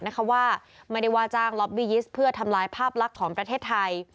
นะคะว่าไม่ได้ว่าจ้างล็อบบี้ยิสต์เพื่อทำลายภาพลักษณ์ของประเทศไทย